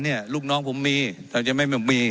เจ้าหน้าที่ของรัฐมันก็เป็นผู้ใต้มิชชาท่านนมตรี